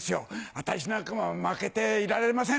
私なんかも負けていられません！